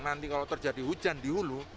nanti kalau terjadi hujan di hulu